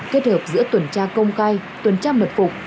kết hợp giữa tuần tra công khai tuần tra mật phục